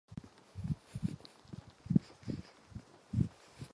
Před severním průčelím jsou umístěny čtyři barokní plastiky.